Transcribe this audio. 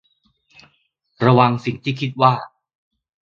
ระวังสิ่งที่คิดว่า